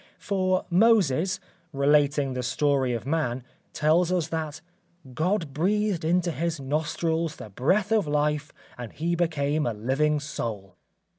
For Moses, relating the history of man, tells us that "God breathed into his nostrils the breath of life, and he became a living soul."